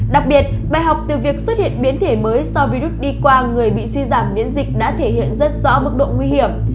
đặc biệt bài học từ việc xuất hiện biến thể mới do virus đi qua người bị suy giảm biến dịch đã thể hiện rất rõ mức độ nguy hiểm